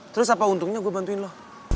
terus apa untungnya gue bantuin lo